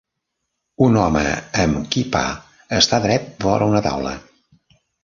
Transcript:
Un home amb quipà està dret vora una taula.